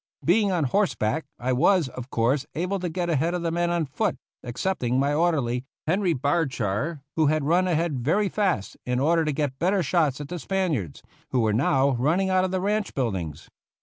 Being on horseback I was, of course, able to get ahead of the men on foot, excepting my orderly, Henry Bardshar, who had run ahead very fast in order to get better shots at the Spaniards, who were now running out of the ranch buildings.